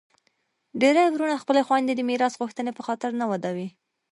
ډیری وروڼه خپلي خویندي د میراث غوښتني په خاطر نه ودوي.